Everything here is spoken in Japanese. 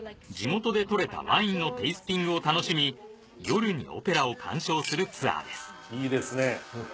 地元でとれたワインのテイスティングを楽しみ夜にオペラを鑑賞するツアーです